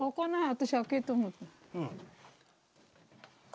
私開くと思った。